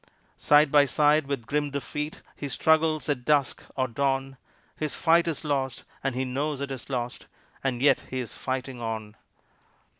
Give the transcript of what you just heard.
Side by side with grim Defeat, he struggles at dusk or dawn, His fight is lost and he knows it is lost and yet he is fighting on.